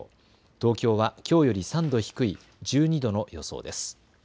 東京はきょうより３度低い１２度の予想です。